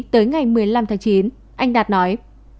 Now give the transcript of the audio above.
tới ngày một mươi năm tháng chín anh đạt nói